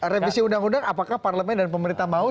revisi undang undang apakah parlemen dan pemerintah mau